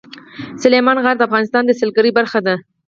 سلیمان غر د افغانستان د سیلګرۍ برخه ده.